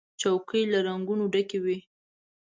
چوکۍ له رنګونو ډکې وي.